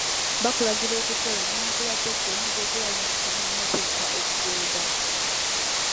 Bakulagira okukola newankubadde ggwe oyinza okulaba nti kibi naye oteekwa okugonda.